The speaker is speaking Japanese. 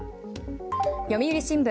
読売新聞。